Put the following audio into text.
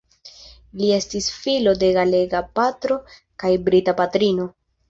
Li estis filo de galega patro kaj brita patrino.